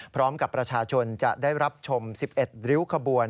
พร้อมกับประชาชนจะได้รับชม๑๑ริ้วขบวน